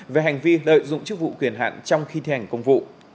về hành vi lợi dụng chức vụ quyền hạn trong khi thi hành công vụ